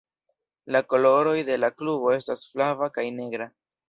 La koloroj de la klubo estas flava kaj negra.